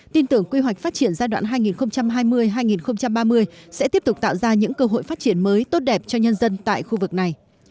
tin tưởng quy hoạch phát triển giai đoạn hai nghìn hai mươi hai nghìn ba mươi sẽ tiếp tục tạo ra những cơ hội phát triển mới tốt đẹp cho nhân dân tại khu vực này